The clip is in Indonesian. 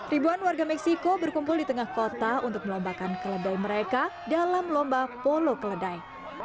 ribuan warga meksiko berkumpul di tengah kota untuk melombakan keledai mereka dalam lomba polo keledai